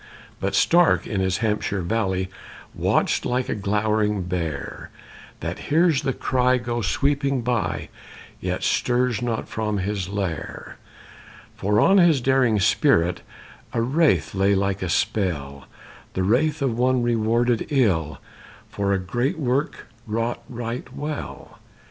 But Stark in his Hampshire valley Watched like a glowering bear, That hears the cry go sweeping by Yet stirs not from his lair; For on his daring spirit A wrath lay like a spell, The wrath of one rewarded ill For a great work wrought right well.